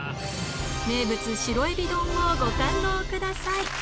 名物白えび丼をご堪能ください